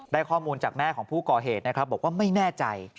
ข้อมูลจากแม่ของผู้ก่อเหตุนะครับบอกว่าไม่แน่ใจ